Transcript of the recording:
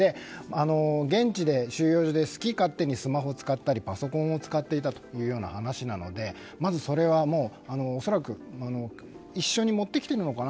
現地の収容所で好き勝手にスマホを使ったりパソコンを使っていたという話なので、それは恐らく一緒に持ってきているのかな。